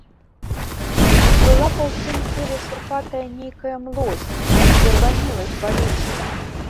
Паплыла па ўсім целе шурпатая нейкая млосць, адзервянеласць балючая.